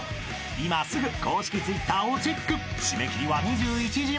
［今すぐ公式Ｔｗｉｔｔｅｒをチェック］